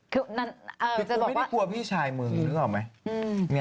คือเราก็กลัวพี่ชายมึงนึกออกไหม